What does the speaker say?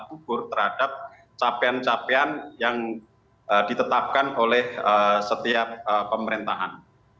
hukur terhadap capian capian yang ditetapkan oleh setiap pemerintahan